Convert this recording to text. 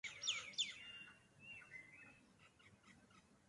کیا کریں فرض ہے ادائے نماز